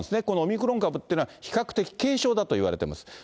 このオミクロン株っていうのは、比較的軽症だといわれています。